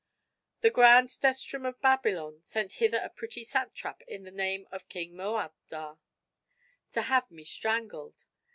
"The grand Desterham of Babylon sent hither a pretty satrap in the name of King Moabdar, to have me strangled.